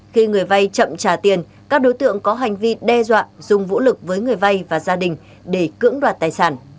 khi người vay chậm trả tiền các đối tượng có hành vi đe dọa dùng vũ lực với người vay và gia đình để cưỡng đoạt tài sản